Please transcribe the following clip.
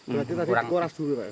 berarti tadi kurang duru pak